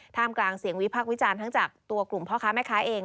กลางเสียงวิพักษ์วิจารณ์ทั้งจากตัวกลุ่มพ่อค้าแม่ค้าเอง